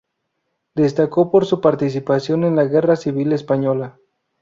Destacó por su participación en la guerra civil española.